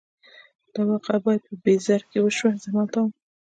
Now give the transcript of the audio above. دا واقعه بیا په بیزر کې وشوه، زه همالته وم.